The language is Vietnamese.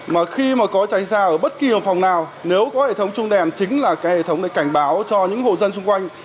mà khi mà có cháy ra ở bất kỳ phòng nào nếu có hệ thống trung đèn chính là cái hệ thống để cảnh báo cho những hộ dân xung quanh